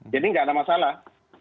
jadi nggak ada masalah